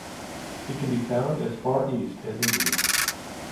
It can be found as far east as India.